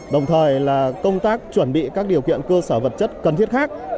đồng thời là công tác chuẩn bị các điều kiện cơ sở vật chất cần thiết khác